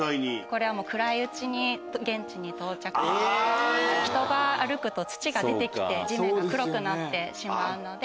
これは暗いうちに現地に到着して人が歩くと土が出てきて地面が黒くなってしまうので。